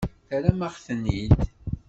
Terram-aɣ-ten-id.